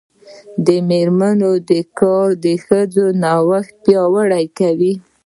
د میرمنو کار د ښځو نوښت پیاوړتیا کوي.